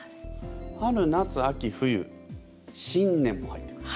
春・夏・秋・冬新年も入ってくる。